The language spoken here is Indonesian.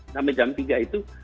sampai jam tiga itu